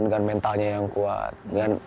dengan mentalnya yang kuat